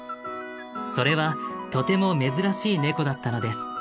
それはとても珍しいネコだったのです。